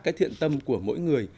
cái thiện tâm của mỗi người